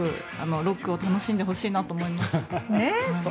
ロックを楽しんでほしいなと思います。